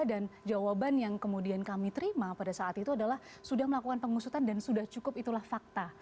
dan jawaban yang kemudian kami terima pada saat itu adalah sudah melakukan pengusutan dan sudah cukup itulah fakta